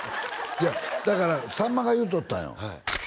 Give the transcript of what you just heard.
いやだからさんまが言うとったんよ